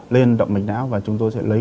lên động mạch não và chúng tôi sẽ lấy